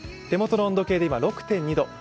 手元の温度計で今６．２度。